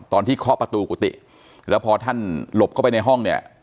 เคาะประตูกุฏิแล้วพอท่านหลบเข้าไปในห้องเนี่ย